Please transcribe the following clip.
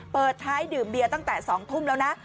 เปิดท้ายดื่มเบียร์ตั้งแต่๒ทุ่มแล้วนะ